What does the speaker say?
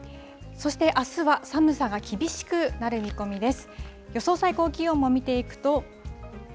そしてあすは寒さが厳しくなる見込みです。